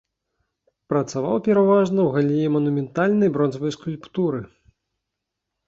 Працаваў пераважна ў галіне манументальнай бронзавай скульптуры.